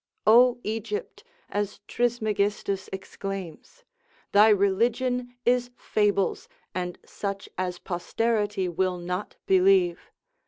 O Egypt (as Trismegistus exclaims) thy religion is fables, and such as posterity will not believe.